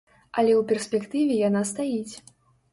Але ў перспектыве яна стаіць.